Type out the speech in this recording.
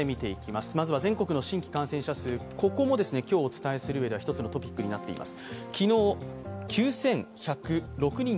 まずは、全国の新規感染者数、ここも今日、お伝えする中で一つのトピックになっています。